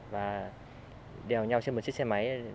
và đèo nhau trên một chiếc xe máy